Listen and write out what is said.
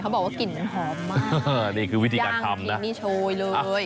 เขาบอกว่ากลิ่นมันหอมมากยังอย่างนี้โชยเลย